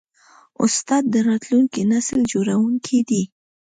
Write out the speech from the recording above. استاد د راتلونکي نسل جوړوونکی دی.